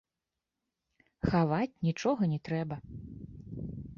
Хаваць нічога не трэба.